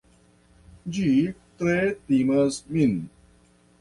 Ĝi tre timas min!